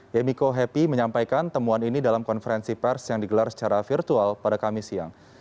yemiko happy menyampaikan temuan ini dalam konferensi pers yang digelar secara virtual pada kamis siang